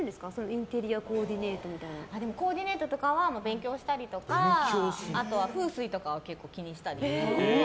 インテリアコーディネートコーディネートとかは勉強したりとかあとは風水とか結構気にしたり。